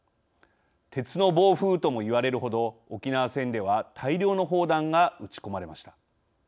鉄の暴風ともいわれるほど沖縄戦では大量の砲弾が撃ち込まれました。